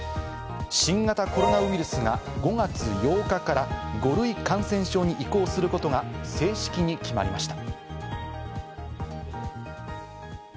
新型コロナウイルスが５月８日から５類感染症に移行することが正式に決まりました。